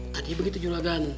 tadinya begitu yorakan